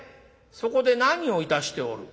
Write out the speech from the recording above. そこで何をいたしておる？」。